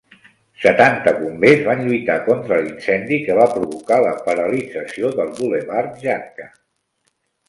Setanta bombers van lluitar contra l'incendi que va provocar la paralització del bulevard Jacka.